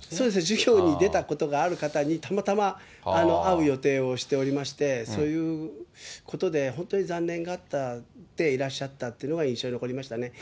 授業に出たことがある方に、たまたま会う予定をしておりまして、そういうことで、本当に残念がっていらっしゃったというのが、印象に残りましたね。